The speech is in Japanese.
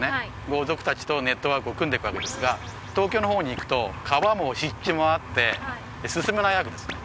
豪族達とネットワークを組んでいくわけですが東京の方に行くと川も湿地もあって進めないわけですね